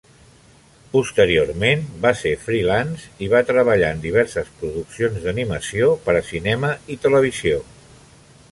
Posteriorment va ser freelance i va treballar en diverses produccions d'animació per a cinema i televisió.